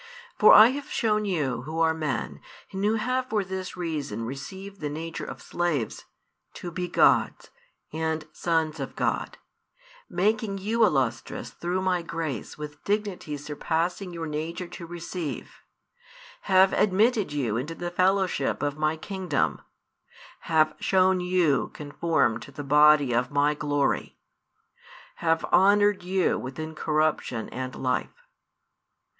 For I have shown you, who are men, and who have for this reason received the nature of slaves, to be gods, and sons of God; making you illustrious through My grace with dignities surpassing your nature to receive; have admitted you into the fellowship of My kingdom; have shown you conformed to the Body of My glory; have honoured you with incorruption and life.